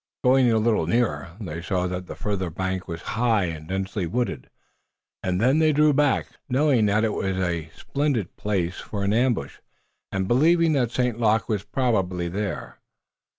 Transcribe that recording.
Going a little nearer, they saw that the farther bank was high and densely wooded, and then they drew back, knowing that it was a splendid place for an ambush, and believing that St. Luc was probably there.